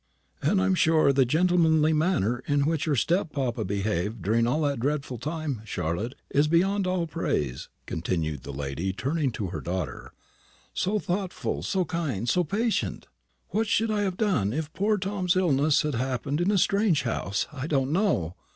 "And I'm sure the gentlemanly manner in which your step papa behaved during all that dreadful time, Charlotte, is beyond all praise," continued the lady, turning to her daughter; "so thoughtful, so kind, so patient. What I should have done if poor Tom's illness had happened in a strange house, I don't know.